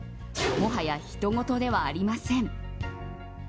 もはやひとごとではありません。